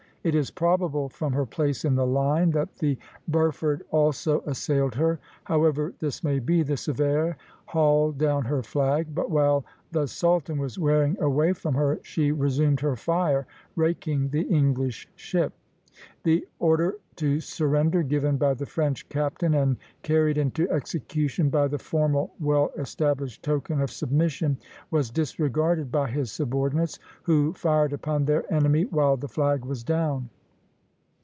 It is probable, from her place in the line, that the "Burford" also assailed her. However this may be, the "Sévère" hauled down her flag; but while the "Sultan" was wearing away from her, she resumed her fire, raking the English ship. The order to surrender, given by the French captain and carried into execution by the formal well established token of submission, was disregarded by his subordinates, who fired upon their enemy while the flag was down.